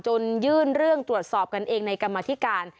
ยื่นเรื่องตรวจสอบกันเองในกรรมธิการ